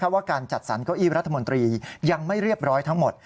ว่าการจัดสรรเก้าอี้รัฐมนตรียังไม่เรียบร้อยทั้งหมด